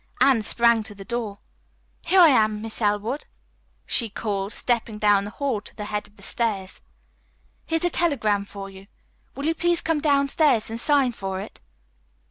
Anne sprang to the door. "Here I am, Mrs. Elwood," she called, stepping down the hall to the head of the stairs. "Here's a telegram for you. Will you please come downstairs and sign for it?"